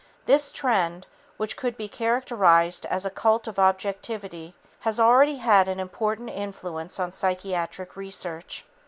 This trend, which could be characterized as a 'cult of objectivity,' has already had an important influence on psychiatric research.